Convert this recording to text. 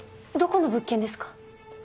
どこの物件ですか？